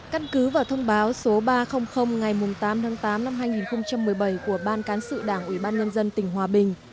căn cứ và thông báo số ba trăm linh ngày tám tháng tám năm hai nghìn một mươi bảy của ban cán sự đảng ubnd tỉnh hòa bình